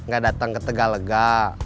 ga datang ke tegalega